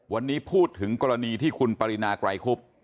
วันนี้พูดถึงกรณีที่คุณปรินาไกรคุบ